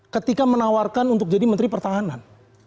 ketika menawarkan untuk jadi menteri pertahanan